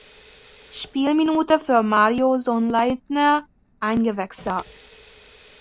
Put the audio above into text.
Spielminute für Mario Sonnleitner eingewechselt.